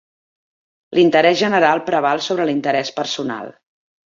L'interès general preval sobre l'interès personal.